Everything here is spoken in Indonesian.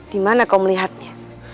di mana kau melihatnya